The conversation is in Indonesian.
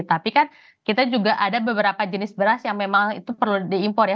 tapi kan kita juga ada beberapa jenis beras yang memang itu perlu diimpor ya